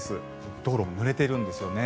道路、ぬれてるんですよね。